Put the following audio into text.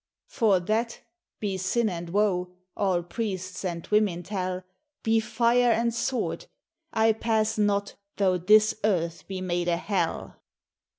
"For that be Sin and Woe All priests and women tell Be Fire and Sword I pass not tho' This Earth be made a Hell.